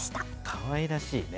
かわいらしいね。